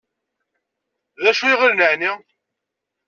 D acu i ɣilen εni?